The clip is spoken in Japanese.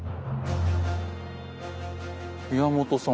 宮本さん